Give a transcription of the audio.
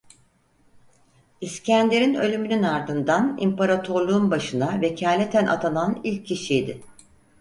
İskender'in ölümünün ardından imparatorluğun başına vekaleten atanan ilk kişiydi.